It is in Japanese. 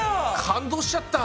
感動しちゃった！